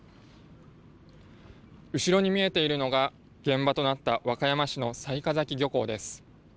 後ろに見えているのが現場となった和歌山市の雑賀崎漁港です。